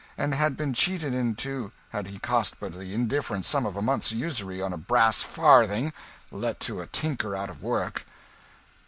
and had been cheated in too, had he cost but the indifferent sum of a month's usury on a brass farthing let to a tinker out of work."